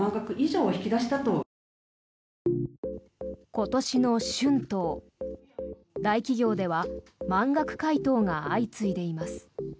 今年の春闘大企業では満額回答が相次いでいます。